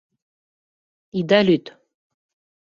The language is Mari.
Ида лӱд.